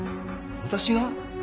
私が？